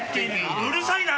うるさいな！